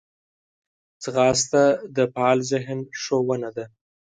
ځغاسته د فعال ذهن ښوونه ده